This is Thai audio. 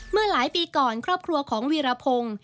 เมื่อหลายปีก่อนครอบครัวของวีรพงศ์